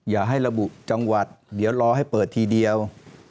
อย่าให้ระบุจังหวัดเดี๋ยวรอให้เปิดทีเดียว